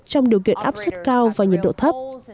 trong điều kiện áp suất cao và nhiệt độ thấp